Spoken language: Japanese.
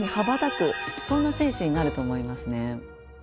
そんな選手になると思いますね。